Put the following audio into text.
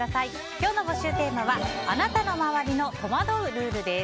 今日の募集テーマはあなたの周りの戸惑うルールです。